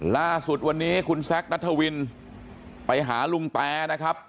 ล่าสุดวันนี้คุณแซคนัทวินไปหาลุงแตนะครับ